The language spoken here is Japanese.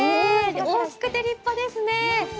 大きくて立派ですね。